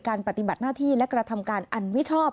ปฏิบัติหน้าที่และกระทำการอันมิชอบ